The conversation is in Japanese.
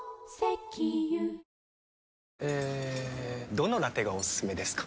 どのラテがおすすめですか？